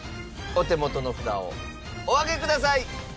お手元の札をお上げください。